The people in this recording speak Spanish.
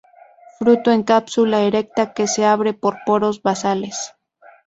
Fruto en cápsula erecta que se abre por poros basales.